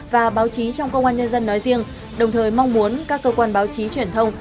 và báo chí trong công an nhân dân nói riêng đồng thời mong muốn các cơ quan báo chí truyền thông